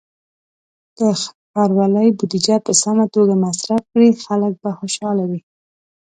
که ښاروالۍ بودیجه په سمه توګه مصرف کړي، خلک به خوشحاله وي.